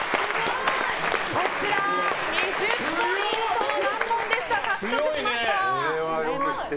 こちら２０ポイントの難問でしたが獲得しました！